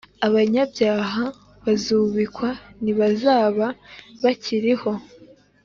abanyabyaha bazubikwa ntibazaba bakiriho